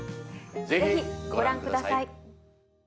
ぜひご覧ください。